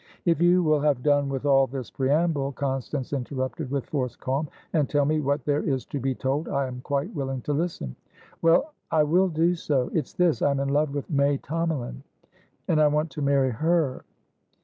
"If you will have done with all this preamble," Constance interrupted, with forced calm, "and tell me what there is to be told, I am quite willing to listen." "Well, I will do so. It's this. I am in love with May Tomalin, and I want to marry her."